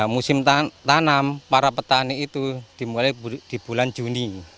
musim tanam para petani itu dimulai di bulan juni